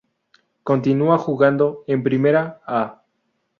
Continúa jugando en Primera "A".